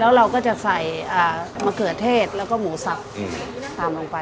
แล้วเราก็จะใส่มะเขือเทศแล้วก็หมูสับตามลงไป